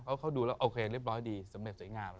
เพราะเขาดูแล้วโอเคเรียบร้อยดีสำเร็จสวยงาม